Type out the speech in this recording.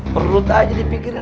perut aja dipikirin